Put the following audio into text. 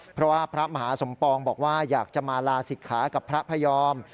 เพราะว่าพระมหาสมปองบอกว่าอยากจะมาลาศิกขากับพระพยอม